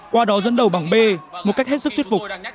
qua đó dẫn đầu bảng b một cách hết sức thuyết phục